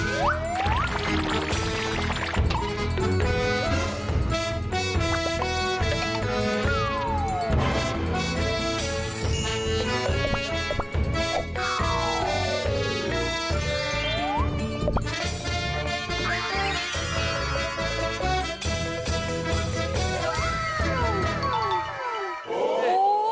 ว้าวว้าวว้าว